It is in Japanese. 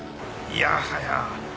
いやはや